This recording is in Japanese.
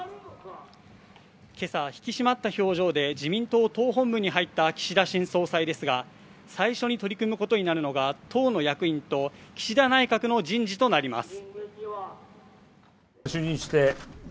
今朝は引き締まった表情で自民党党本部に入った岸田新総裁ですが最初に取り組むことになるのが党の役員と岸田内閣の人事となります